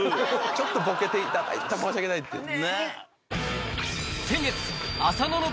ちょっとボケていただいて申し訳ないっていう。